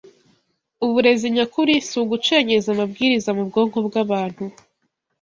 Uburezi nyakuri si ugucengeza amabwiriza mu bwonko bw’abantu